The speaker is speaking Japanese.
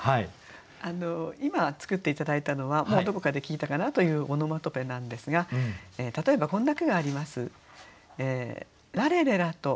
今作って頂いたのはもうどこかで聞いたかなというオノマトペなんですが例えばこんな句があります。